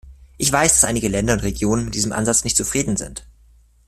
Ich weiß, dass einige Länder und Regionen mit diesem Ansatz nicht zufrieden sind.